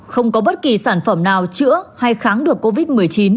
không có bất kỳ sản phẩm nào chữa hay kháng được covid một mươi chín